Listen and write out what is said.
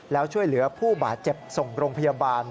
แล้วช่วยเหลือผู้บาดเจ็บส่งโรงพยาบาล